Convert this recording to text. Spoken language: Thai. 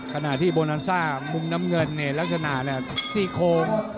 ขณะที่โบนันซ่ามุมน้ำเงินเนี่ยลักษณะซี่โค้ง